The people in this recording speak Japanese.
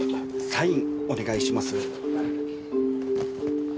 サインお願いします。